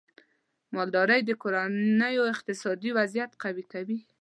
مالدارۍ د کورنیو اقتصادي وضعیت قوي کوي.